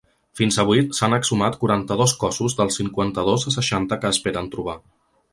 Fins avui s’han exhumat quaranta-dos cossos dels cinquanta-dos a seixanta que esperen trobar.